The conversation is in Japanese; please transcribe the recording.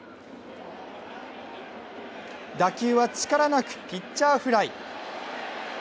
打球は力なく、ピッチャーフライ。